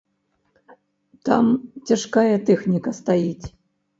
Там цяжкая тэхніка стаіць.